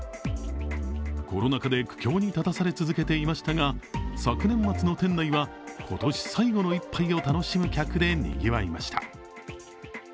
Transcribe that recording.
コロナ禍で苦境に立たされ続けていましたが昨年末の店内は今年最後の一杯を楽しむ客でにぎわいました。